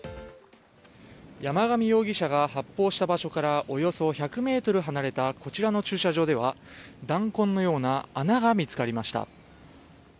山上容疑者が発砲した場所からおよそ１００ｍ離れたこちらの駐車場では弾痕のような穴が見つかりました。